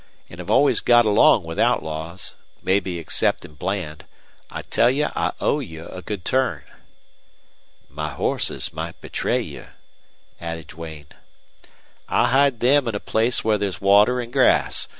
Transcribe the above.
An' have always got along with outlaws, mebbe exceptin' Bland. I tell you I owe you a good turn." "My horses might betray you," added Duane. "I'll hide them in a place where there's water an' grass.